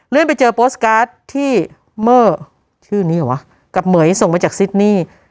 ไปเจอโปสการ์ดที่เมอร์ชื่อนี้เหรอวะกับเหม๋ยส่งมาจากซิดนี่